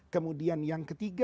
kemudian yang ketiga